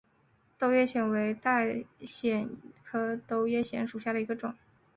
兜叶藓为带藓科兜叶藓属下的一个种。